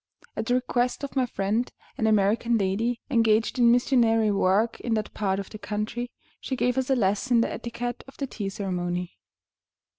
At the request of my friend, an American lady engaged in missionary work in that part of the country, she gave us a lesson in the etiquette of the tea ceremony.